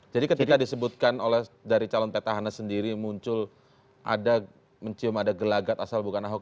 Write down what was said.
jadi ketika disebutkan oleh dari calon petahana sendiri muncul ada mencium ada gelagat asal bukan ahok